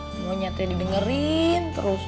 semuanya tadi didengerin terus